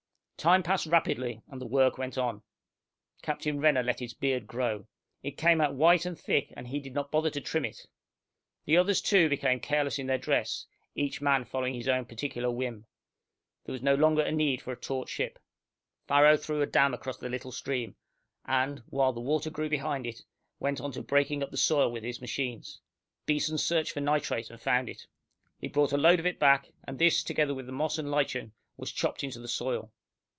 Time passed rapidly, and the work went on. Captain Renner let his beard grow. It came out white and thick, and he did not bother to trim it. The others, too, became more careless in their dress, each man following his own particular whim. There was no longer need for a taut ship. Farrow threw a dam across the little stream, and, while the water grew behind it, went on to breaking up the soil with his machines. Beeson searched for nitrate, and found it. He brought a load of it back, and this, together with the moss and lichen, was chopped into the soil.